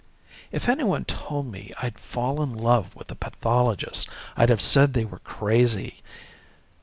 If anyone told me I'd fall in love with a pathologist, I'd have said they were crazy.